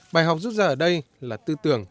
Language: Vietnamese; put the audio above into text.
bài học rút ra ở đây là tư tưởng